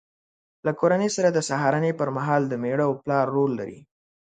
له کورنۍ سره د سهارنۍ پر مهال د مېړه او پلار رول لري.